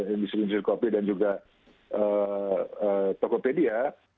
industri industri kopi dan juga tokopedia